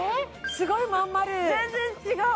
すごいまん丸全然違う！